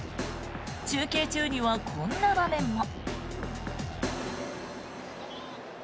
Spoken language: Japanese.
中継中にはこんな場面も。